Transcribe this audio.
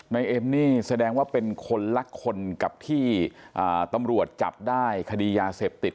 เอ็มนี่แสดงว่าเป็นคนละคนกับที่ตำรวจจับได้คดียาเสพติด